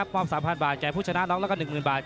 มันสลบเยอะแหละ